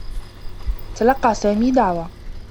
تلقّى سامي دعوة.